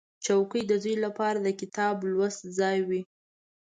چوکۍ د زوی لپاره د کتاب لوست ځای وي.